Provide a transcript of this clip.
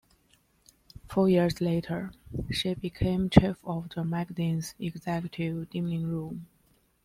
Four years later she became chef of the magazine's executive dining room.